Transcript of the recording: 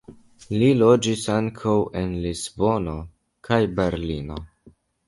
Li loĝis ankaŭ en Lisbono kaj Berlino.